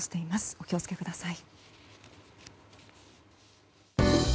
お気を付けください。